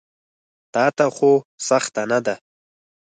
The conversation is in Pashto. تاته خو سخته نه ده.